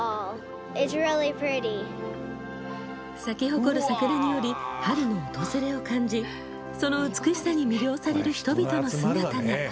咲き誇る桜により春の訪れを感じ、その美しさに魅了される人々の姿が。